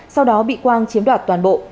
sau đó bị quang chiếm đoạt toàn bộ